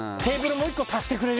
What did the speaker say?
もう１個足してくれる？